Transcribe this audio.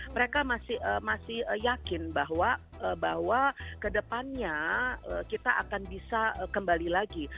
mereka masih yakin bahwa kedepannya kita akan bisa kembali lagi